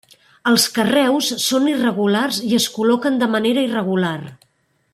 Els carreus són irregulars i es col·loquen de manera irregular.